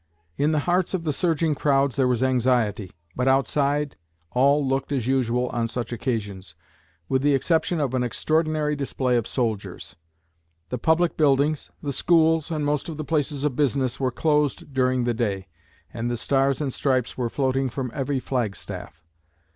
In the hearts of the surging crowds there was anxiety; but outside all looked as usual on such occasions, with the exception of an extraordinary display of soldiers. The public buildings, the schools, and most of the places of business, were closed during the day, and the stars and stripes were floating from every flag staff.